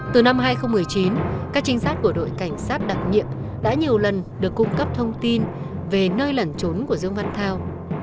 từ năm hai nghìn một mươi chín các trinh sát của đội cảnh sát đặc nhiệm đã nhiều lần được cung cấp thông tin về nơi lẩn trốn của dương văn thao